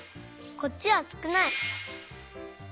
こっちはすくない！